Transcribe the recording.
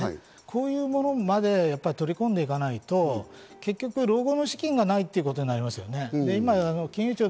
こういうものまで取り組んでいかないと、結局、老後の資金がないってことになりますよね。